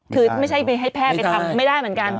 คือไม่ใช่ให้แพทย์ไปทำไม่ได้เหมือนกัน